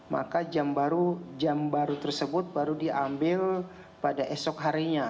maka jam baru tersebut baru diambil pada esok harinya